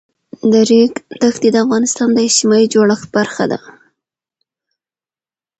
د ریګ دښتې د افغانستان د اجتماعي جوړښت برخه ده.